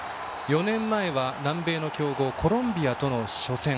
４年前は南米の強豪コロンビアとの初戦。